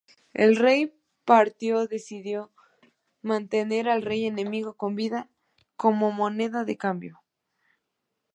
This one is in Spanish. El rey parto decidió mantener al rey enemigo con vida como moneda de cambio.